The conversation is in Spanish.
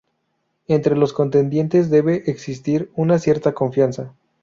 Entre los contendientes debe existir una cierta confianza.